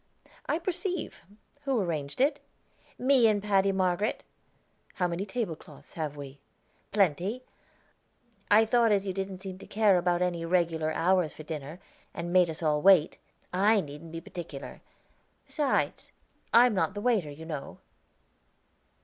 "I perceive. Who arranged it?" "Me and Paddy Margaret." "How many tablecloths have we?" "Plenty. I thought as you didn't seem to care about any regular hour for dinner, and made us all wait, I needn't be particular; besides, I am not the waiter, you know."